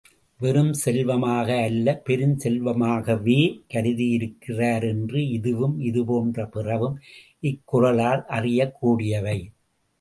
வெறுஞ் செல்வமாக அல்ல பெருஞ் செல்வமாகவே கருதியிருக்கிறார் என்ற இதுவும், இது போன்ற பிறவும், இக்குறளால் அறியக் கூடியவை.